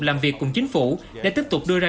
làm việc cùng chính phủ để tiếp tục đưa ra